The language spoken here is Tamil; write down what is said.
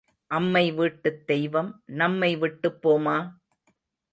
அம்மை வீட்டுத் தெய்வம் நம்மை விட்டுப் போமா?